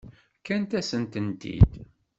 Fkant-akent-tent-id.